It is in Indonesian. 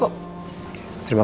gak jauh ya pak